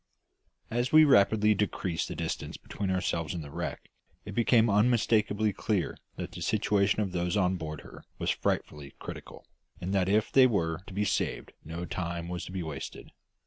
As we rapidly decreased the distance between ourselves and the wreck, it became unmistakably clear that the situation of those on board her was frightfully critical, and that if they were to be saved no time must be wasted.